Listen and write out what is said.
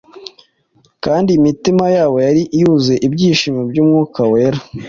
kandi imitima yabo “yari yuzuye ibyishimo by’Umwuka Wera.”